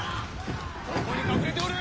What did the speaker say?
どこに隠れておる！